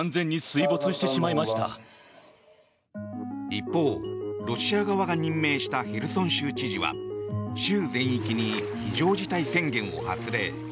一方、ロシア側が任命したヘルソン州知事は州全域に非常事態宣言を発令。